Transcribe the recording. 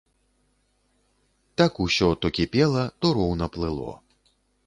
Так усё то кіпела, то роўна плыло.